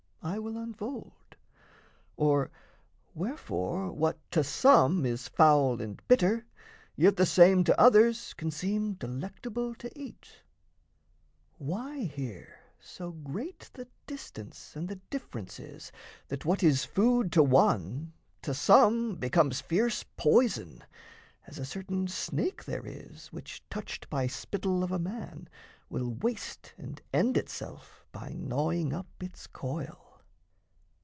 I will unfold, or wherefore what to some Is foul and bitter, yet the same to others Can seem delectable to eat, why here So great the distance and the difference is That what is food to one to some becomes Fierce poison, as a certain snake there is Which, touched by spittle of a man, will waste And end itself by gnawing up its coil.